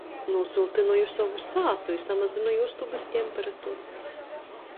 Nūsyltynoju sovu sātu i samazynoju ustobys temperaturu.